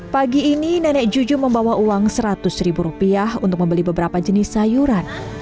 pagi ini nenek juju membawa uang seratus ribu rupiah untuk membeli beberapa jenis sayuran